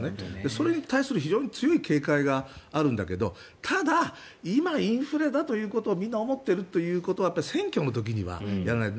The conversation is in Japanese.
それに対する強い警戒があるんだけどただ、今インフレだということをみんな思ってるってことは選挙の時にはやらない。